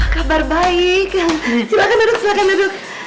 kabar baik silahkan duduk silahkan duduk